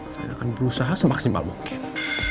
saya akan berusaha semaksimal mungkin